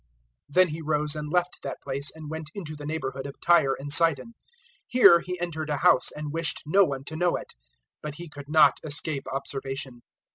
007:024 Then He rose and left that place and went into the neighbourhood of Tyre and Sidon. Here He entered a house and wished no one to know it, but He could not escape observation.